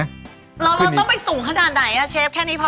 เราต้องพี่สูงขนาดไหนแชฟแค่นี้พอมั้ย